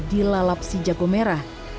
dilalap si jago merah